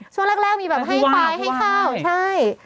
ช่วงแรกมีแบบให้ควายให้เข้ามีว่าหวาย